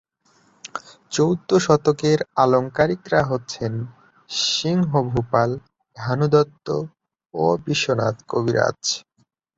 চৌদ্দ শতকের আলঙ্কারিকরা হচ্ছেন সিংহভূপাল, ভানুদত্ত ও বিশ্বনাথ কবিরাজ।